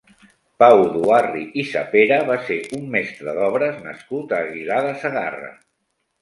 Pau Duarri i Sapera va ser un mestre d’obres nascut a Aguilar de Segarra.